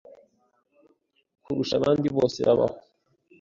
kurusha abandi bose babaho.